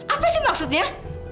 apa sih maksudnya